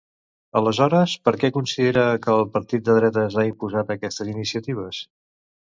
Aleshores, per què considera que el partit de dretes ha imposat aquestes iniciatives?